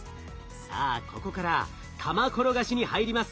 さあここから玉転がしに入ります。